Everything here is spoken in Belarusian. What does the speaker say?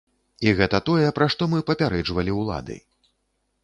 І гэта тое, пра што мы папярэджвалі ўлады.